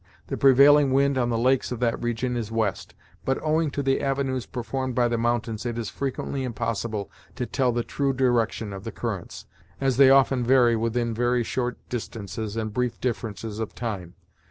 The prevailing wind on the lakes of that region is west, but owing to the avenues formed by the mountains it is frequently impossible to tell the true direction of the currents, as they often vary within short distances and brief differences of time.